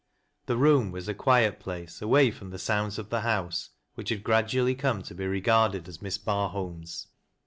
The room was a quiet place, away from the sounds cl [he. house, which had gradually come to be regarded as Miss Barholm's.